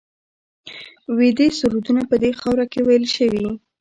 ویدي سرودونه په دې خاوره کې ویل شوي